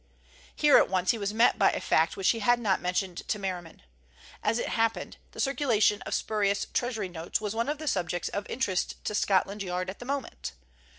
Here at once he was met by a fact which he had not mentioned to Merriman. As it happened, the circulation of spurious Treasury notes was one of the subjects of interest to Scotland Yard at the moment.